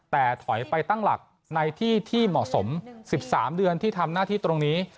แต่ถอยไปตั้งหลักในที่ที่เหมาะสม๑๓เดือนที่ทำหน้าที่ตรงนี้